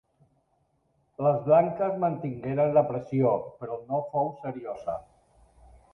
Les blanques mantingueren la pressió, però no fou seriosa.